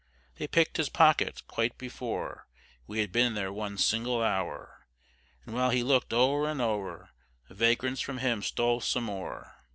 They pick'd his pocket quite before We had been there one single hour; And while he lookèd o'er and o'er, The vagrants from him stole some more.